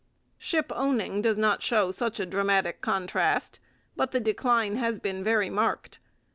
Shipowning does not show such a dramatic contrast, but the decline has been very marked.